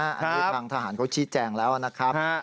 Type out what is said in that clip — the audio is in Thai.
อันนี้ทางทหารเขาชี้แจงแล้วนะครับ